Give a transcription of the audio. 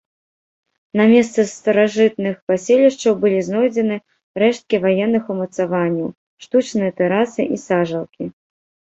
На месцы старажытных паселішчаў былі знойдзены рэшткі ваенных умацаванняў, штучныя тэрасы і сажалкі.